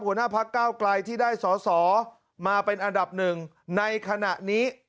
หัวหน้าพักเก้าไกลที่ได้สอสอมาเป็นอันดับหนึ่งในขณะนี้